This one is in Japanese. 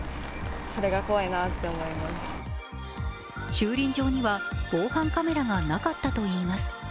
駐輪場には防犯カメラがなかったといいます。